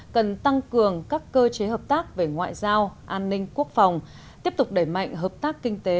cần tăng cường các cơ chế hợp tác về ngoại giao an ninh quốc phòng tiếp tục đẩy mạnh hợp tác kinh tế